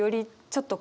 ちょっと